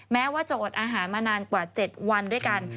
แม้ว่าจะอดอาหารมานานกว่า๗วันด้วยกัน